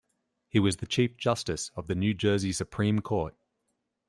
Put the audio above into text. He was the Chief Justice of the New Jersey Supreme Court.